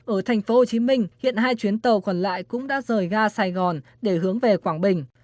ở thành phố hồ chí minh hiện hai chuyến tàu còn lại cũng đã rời ga sài gòn để hướng về quảng bình